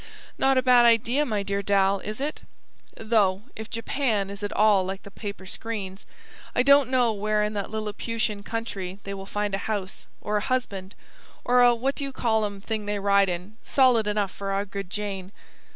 Not a bad idea, my dear Dal, is it? Though, if Japan is at all like the paper screens, I don't know where in that Liliputian country they will find a house, or a husband, or a what do you call 'em thing they ride in, solid enough for our good Jane!'